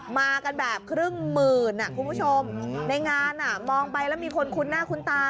มากันแบบครึ่งหมื่นคุณผู้ชมในงานมองไปแล้วมีคนคุ้นหน้าคุ้นตา